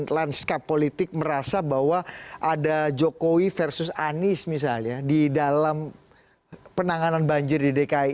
lanskap politik merasa bahwa ada jokowi versus anies misalnya di dalam penanganan banjir di dki